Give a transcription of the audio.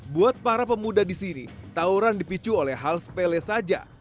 buat para pemuda di sini tawuran dipicu oleh hal sepele saja